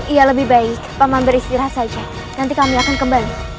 iya lebih baik paman beristirahat saja nanti kami akan kembali